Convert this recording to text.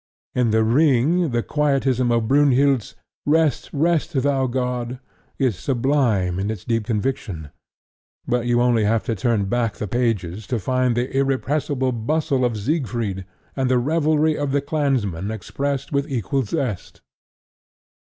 In The Ring the quietism of Brynhild's "Rest, rest, thou God" is sublime in its deep conviction; but you have only to turn back the pages to find the irrepressible bustle of Siegfried and the revelry of the clansmen expressed with equal zest.